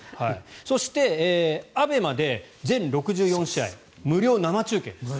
そして、ＡＢＥＭＡで全６４試合無料生中継です。